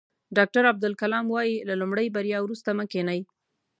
ډاکټر عبدالکلام وایي له لومړۍ بریا وروسته مه کینئ.